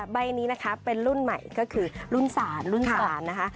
ใบนี้เป็นรุ่นใหม่ก็คือรุ่นศาล